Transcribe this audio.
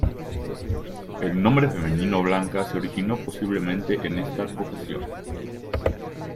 El nombre femenino Blanca se originó posiblemente en esta advocación.